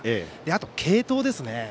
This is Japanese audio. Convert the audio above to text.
あとは継投ですね。